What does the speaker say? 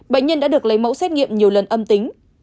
bệnh nhân đã được lấy mẫu xét nghiệm nhiều lần âm tính